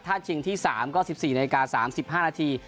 ถ้าชิงที่๓ก็๑๔นาฬิกา๓๕นาที